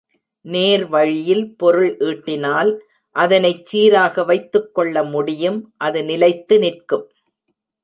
நேர்வழியில் பொருள் ஈட்டினால் அதனைச் சீராக வைத்துக்கொள்ள முடியும் அது நிலைத்து நிற்கும்.